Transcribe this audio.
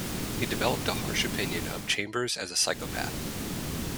He developed a harsh opinion of Chambers as a psychopath.